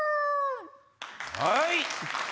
はい！